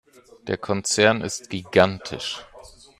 Der Konzern ist gigantisch.